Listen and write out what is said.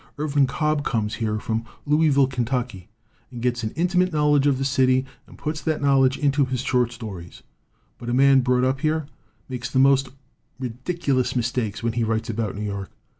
Irvin Cobb comes here from Louisville, Kentucky, and gets an inti mate knowledge of the city, and puts that knowl 53 LITERATURE IN THE MAKING edge into his short stories. But a man brought up here makes the most ridiculous mistakes when he writes about New York.